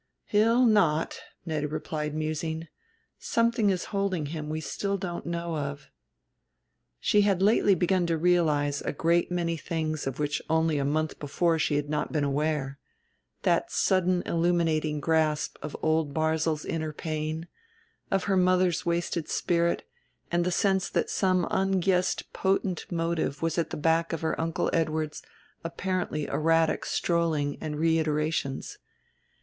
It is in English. "He'll not," Nettie replied, musing; "something is holding him we still don't know of." She had lately begun to realize a great many things of which only a month before she had not been aware that sudden illuminating grasp of old Barzil's inner pain, of her mother's wasted spirit, and the sense that some unguessed potent motive was at the back of her Uncle Edward's apparently erratic strolling and reiterations.